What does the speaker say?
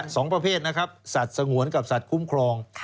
สองประเภทนะครับสัตว์สงวนกับสัตว์คุ้มครอง